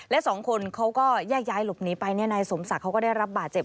และสองคนเขาก็แยกย้ายหลบหนีไปนายสมศักดิ์เขาก็ได้รับบาดเจ็บ